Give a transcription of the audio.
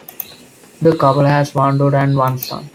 The couple has one daughter and one son.